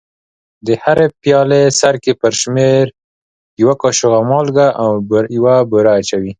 د هرې پیالې سرکې پر شمېر یوه کاشوغه مالګه او یوه بوره اچوي.